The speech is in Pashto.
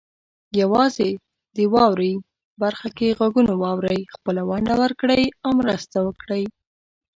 یوازې د "واورئ" برخه کې غږونه واورئ، خپله ونډه ورکړئ او مرسته وکړئ.